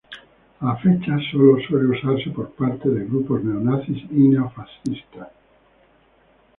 A la fecha solo suele usarse por parte de grupos neonazis y neofascistas.